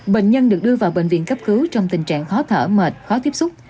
bệnh nhân được đưa vào bệnh viện cấp cứu trong tình trạng khó thở mệt khó tiếp xúc